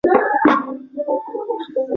英宗时升为南康知府。